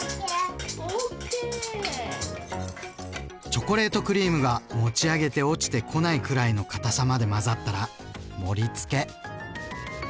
チョコレートクリームが持ち上げて落ちてこないくらいのかたさまで混ざったら盛り付け。